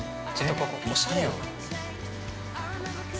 ここ、おしゃれよな。